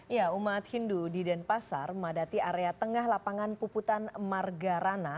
ya umat hindu di denpasar memadati area tengah lapangan puputan margarana